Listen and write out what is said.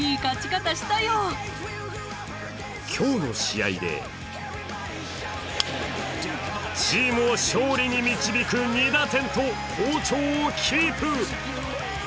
今日の試合でチームを勝利に導く２打点と好調をキープ。